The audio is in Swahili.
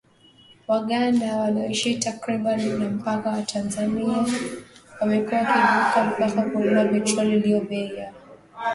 Waganda wanaoishi karibu na mpaka wa Tanzania wamekuwa wakivuka mpaka kununua petroli iliyo bei ya chini.